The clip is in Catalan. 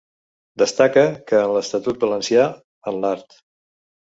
Destaca que en l'Estatut valencià, en l'art.